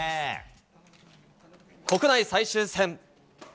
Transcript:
国内最終戦。